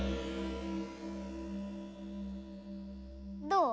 どう？